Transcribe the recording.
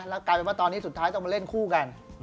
แล้วกลายเป็นว่าตอนนี้สุดท้ายต้องมาเล่นคู่กัน